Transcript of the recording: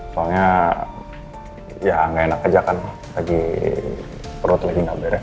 soalnya ya nggak enak aja kan lagi perut lagi nggak beres